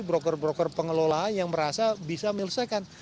broker broker pengelolaan yang merasa bisa menyelesaikan